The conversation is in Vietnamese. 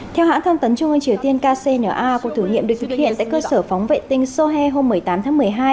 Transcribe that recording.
theo hãng thông tấn trung ương triều tiên kcna cuộc thử nghiệm được thực hiện tại cơ sở phóng vệ tinh sohe hôm một mươi tám tháng một mươi hai